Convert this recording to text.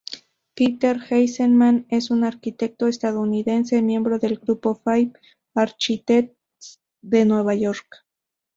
Peter Eisenman es un arquitecto estadounidense miembro del grupo Five Architects de Nueva York.